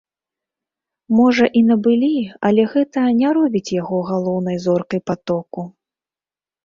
Можа і набылі, але гэта не робіць яго галоўнай зоркай патоку.